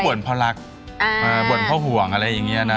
บ่นเพราะรักบ่นเพราะห่วงอะไรอย่างนี้นะ